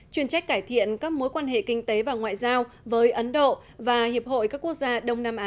chuyên trách cải thiện các mối quan hệ kinh tế và ngoại giao với ấn độ và hiệp hội các quốc gia đông nam á